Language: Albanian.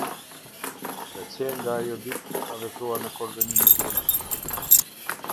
Dhe qe nga ajo ditë ka vepruar në koordinim me policinë.